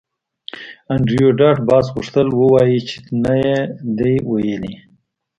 انډریو ډاټ باس غوښتل ووایی چې نه یې دی ویلي